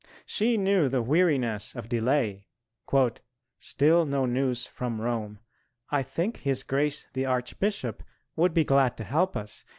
She knew the weariness of delay: "still no news from Rome.... I think His Grace the Archbishop would be glad to help us....